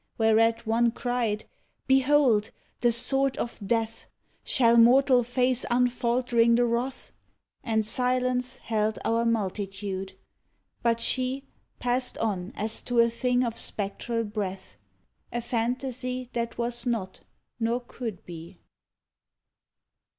Whereat one cried, "Behold ! the sword of Death I Shall mortal face unfaltering the Wrath*?" And silence held our multitude. But she Passed on as to a thing of spectral breath, — A fantasy that was not nor could be.